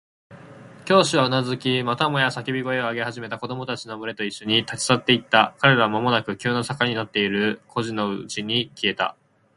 教師はうなずき、またもや叫び声を上げ始めた子供たちのむれといっしょに、立ち去っていった。彼らはまもなく急な坂になっている小路のうちに消えた。